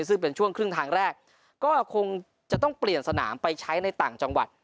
ซึ่งเป็นช่วงครึ่งทางแรกก็คงจะต้องเปลี่ยนสนามไปใช้ในต่างจังหวัด